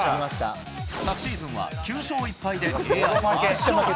昨シーズンは９勝１敗でＡＩが勝利。